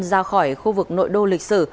ra khỏi khu vực nội đô lịch sử